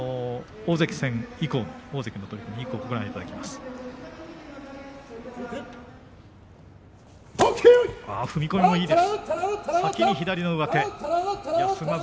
大関戦以降の３番もご覧いただきます。